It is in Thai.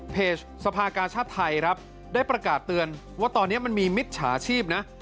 สภากาชาติไทยครับได้ประกาศเตือนว่าตอนนี้มันมีมิจฉาชีพนะ